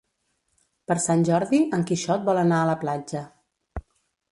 Per Sant Jordi en Quixot vol anar a la platja.